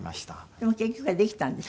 でも結局はできたんでしょ？